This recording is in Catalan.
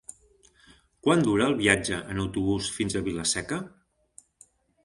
Quant dura el viatge en autobús fins a Vila-seca?